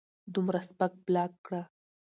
دومره سپک بلاک کړۀ